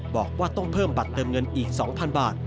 บอกว่าต้องเพิ่มบัตรเติมเงินอีก๒๐๐บาท